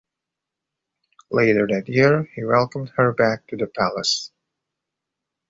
Later that year, he welcomed her back to the palace.